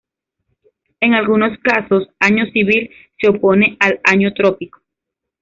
En algunos casos, "año civil" se opone al año trópico.